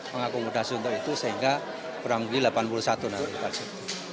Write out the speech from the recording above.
pengakumutasi untuk itu sehingga beramungi delapan puluh satu nanti